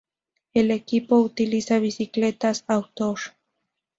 El equipo utiliza bicicletas Author.